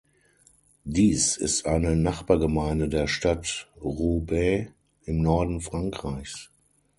Dies ist eine Nachbargemeinde der Stadt Roubaix im Norden Frankreichs.